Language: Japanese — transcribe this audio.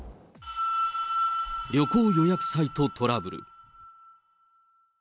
旅行予約サイトトラブル。